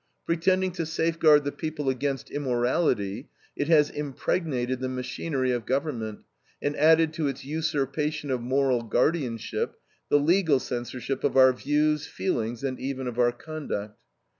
Pretending to safeguard the people against "immorality," it has impregnated the machinery of government and added to its usurpation of moral guardianship the legal censorship of our views, feelings, and even of our conduct.